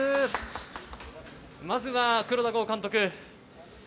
まずは黒田剛監督。